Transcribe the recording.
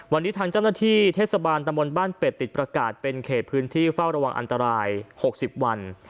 วันนี้ทางเจ้าหน้าที่เทศบาลตะมนต์บ้านเป็ดติดประกาศเป็นเขตพื้นที่เฝ้าระวังอันตราย๖๐วัน